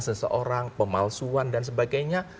seseorang pemalsuan dan sebagainya